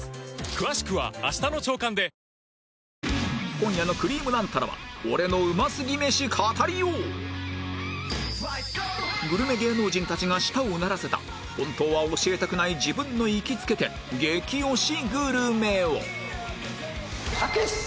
今夜の『くりぃむナンタラ』はグルメ芸能人たちが舌をうならせた本当は教えたくない自分の行きつけ店激推しグルメを